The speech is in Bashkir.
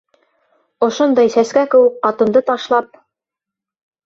Ошондай сәскә кеүек ҡатынды ташлап...